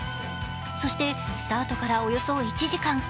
そしてスタートからおよそ１時間。